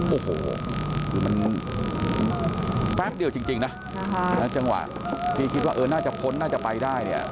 โอ้โหคือมันแป๊บเดี่ยวจริงนะจังหวะที่คิดว่าน่าจะพ้นน่าจะไปได้